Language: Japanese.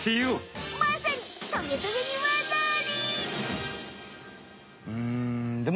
まさにトゲトゲにわざあり！